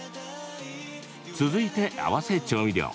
続いて、合わせ調味料。